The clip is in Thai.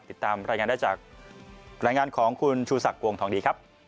ติดตามรายงานได้จากรายงานของคุณชูสักวงฐดี